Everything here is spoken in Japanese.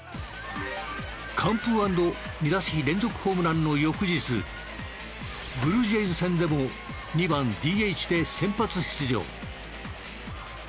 完封＆２打席連続ホームランの翌日ブルージェイズ戦でも２番ＤＨで先発出場。